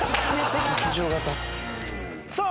さあ